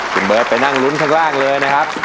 คุณเบิร์ตไปนั่งลุ้นข้างล่างเลยนะครับ